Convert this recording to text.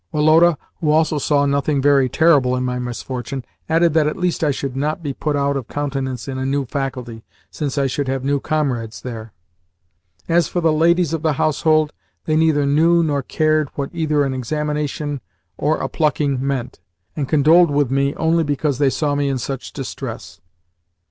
Woloda, who also saw nothing very terrible in my misfortune, added that at least I should not be put out of countenance in a new faculty, since I should have new comrades there. As for the ladies of the household, they neither knew nor cared what either an examination or a plucking meant, and condoled with me only because they saw me in such distress.